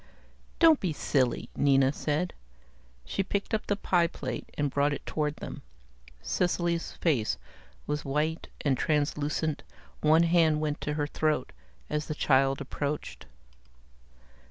"Don't be silly," Nina said. She picked up the pie plate and brought it toward them. Cecily's face was white and translucent, one hand went to her throat as the child approached.